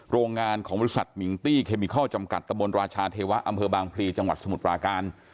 โรงงานของบริษัทมิงตี้เคมิคอลจำกัดตะบนราชาเทวะอำเภอบางพลีจังหวัดสมุทรปราการ